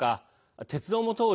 鉄道も通る